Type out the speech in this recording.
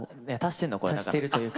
足しているというか。